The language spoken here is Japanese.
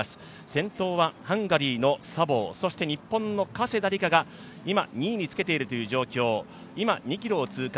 先頭はハンガリーのサボー、そして日本の加世田梨花が、今、２位につけているという状況、今、２ｋｍを通過。